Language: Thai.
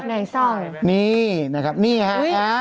ในสร้อยนี่นะครับนี่ฮะอุ๊ย